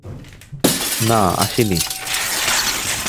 না, আসিনি।